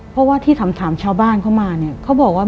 เพราะว่าที่ถามชาวบ้านเขามาเนี่ยเขาบอกว่า